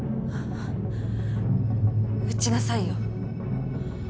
撃ちなさいよ。